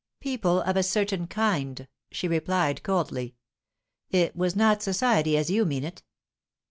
"People of a certain kind," she replied coldly. "It was not society as you mean it."